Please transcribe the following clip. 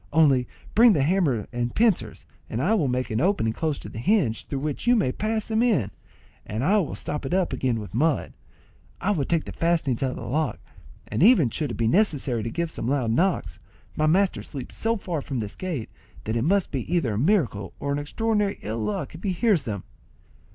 Only bring the hammer and pincers, and I will make an opening close to the hinge, through which you may pass them in, and I will stop it up again with mud. I will take the fastenings out of the lock, and even should it be necessary to give some loud knocks, my master sleeps so far off from this gate, that it must be either a miracle or our extraordinary ill luck if he hears them."